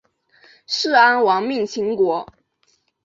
士鞅亡命秦国。